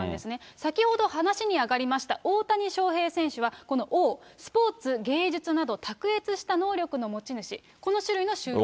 先ほど話に上がりました、大谷翔平選手は、このＯ、スポーツ、芸術など卓越した能力の持ち主、この種類の就労ビザ。